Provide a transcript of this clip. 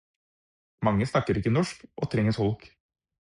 Mange snakker ikke norsk, og trenger tolk.